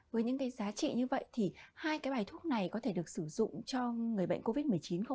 với những cái giá trị như vậy thì hai cái bài thuốc này có thể được sử dụng cho người bệnh covid một mươi chín không